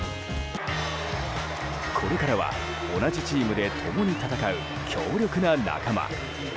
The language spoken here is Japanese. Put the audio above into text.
これからは同じチームで共に戦う強力な仲間。